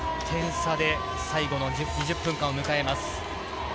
１点差で最後の２０分間を迎えます。